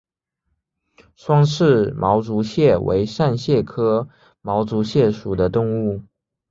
双齿毛足蟹为扇蟹科毛足蟹属的动物。